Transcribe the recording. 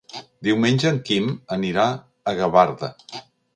Diumenge en Quim anirà a Gavarda.